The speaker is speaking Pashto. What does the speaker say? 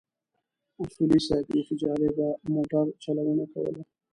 اصولي صیب بيخي جالبه موټر چلونه کوله.